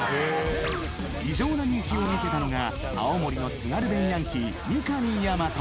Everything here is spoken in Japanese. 異常な人気を見せたのが青森の津軽弁ヤンキー三上大和。